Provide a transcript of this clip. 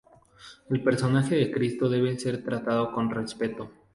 El personaje de Cristo debe ser tratado con respeto.